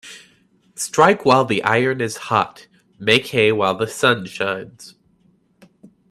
Strike while the iron is hot Make hay while the sun shines.